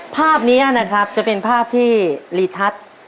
ภาพนี้นะครับจะเป็นภาพที่รีทัศน์